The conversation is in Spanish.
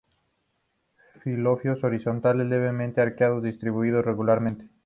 Folíolos horizontales, levemente arqueados distribuidos regularmente.